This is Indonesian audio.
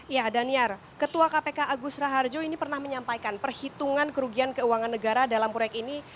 ya daniar ketua kpk agus raharjo ini pernah menyampaikan perhitungan kerugian keuangan negara dalam proyek ini